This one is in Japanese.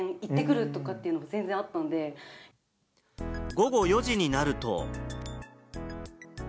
午後４時になると。